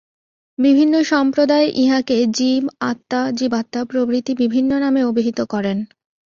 বিভিন্ন সম্প্রদায় ইঁহাকে জীব, আত্মা, জীবাত্মা প্রভৃতি বিভিন্ন নামে অভিহিত করেন।